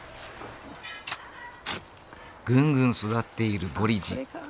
ぐんぐん育っているボリジ。